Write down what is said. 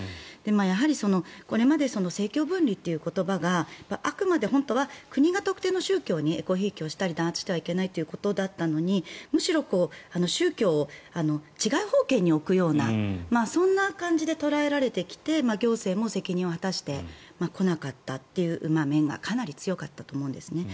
やはりこれまで政教分離という言葉があくまで本当は国が特定の宗教にえこひいきしたり弾圧してはいけないということだったのにむしろ宗教を治外法権に置くようなそんな感じで捉えられてきて行政も責任を果たしてこなかったという面がかなり強かったと思うんですね。